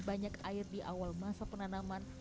banyak air di awal masa penanaman